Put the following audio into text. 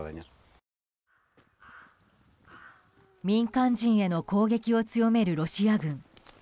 民間人への攻撃を強めるロシア軍。